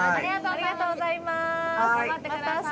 ありがとうございます